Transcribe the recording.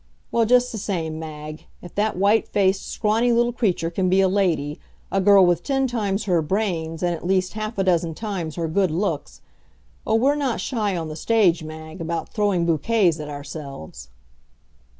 ... Well, just the same, Mag, if that white faced, scrawny little creature can be a Lady, a girl with ten times her brains, and at least half a dozen times her good looks oh, we're not shy on the stage, Mag, about throwing bouquets at ourselves!